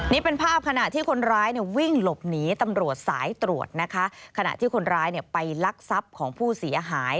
นี่เป็นภาพขณะที่คนร้ายเนี่ยวิ่งหลบหนีตำรวจสายตรวจนะคะขณะที่คนร้ายเนี่ยไปลักทรัพย์ของผู้เสียหาย